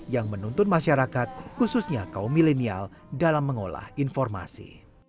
yang menuntun masyarakat khususnya kaum milenial dalam mengolah informasi